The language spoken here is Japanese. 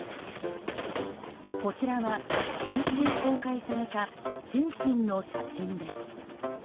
こちらは先週公開されたシンシンの写真です。